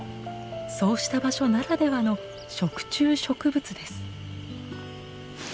そうした場所ならではの食虫植物です。